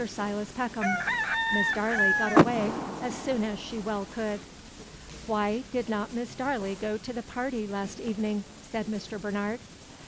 Silas Peckham. Miss Darley got away as soon as she well could. "Why did not Miss Darley go to the party last evening?" said Mr. Bernard.